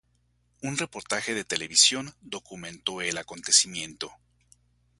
Un reportaje de televisión documentó el acontecimiento.